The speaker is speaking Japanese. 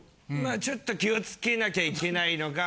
ちょっと気を付けなきゃいけないのが。